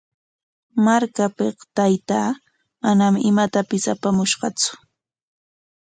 Markapik taytaa manam imatapis apamushqatsu.